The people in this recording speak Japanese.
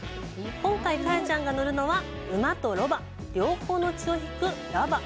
今回カヤちゃんが乗るのは馬とロバ、両方の血を引くラバ。